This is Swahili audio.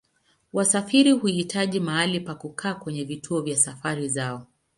Wasafiri huhitaji mahali pa kukaa kwenye vituo vya safari zao.